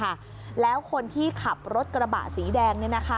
หลังซีราอย่างแรงค่ะแล้วคนที่ขับรถกระบะสีแดง